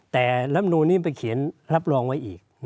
แต่ลำนูนนี้ไปเขียนรับรองไว้อีก